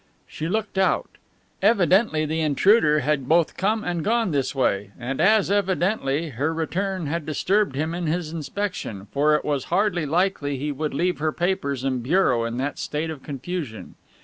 She looked out. Evidently the intruder had both come and gone this way, and as evidently her return had disturbed him in his inspection, for it was hardly likely he would leave her papers and bureau in that state of confusion.